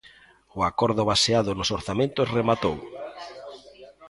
O acordo baseado nos orzamentos rematou.